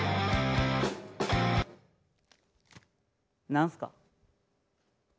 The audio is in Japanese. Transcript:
何すか？